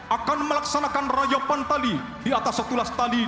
akan melaksanakan rayapan tali di atas setulas tali